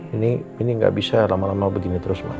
ini ini gak bisa lama lama begini terus ma